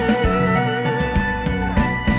อ่าว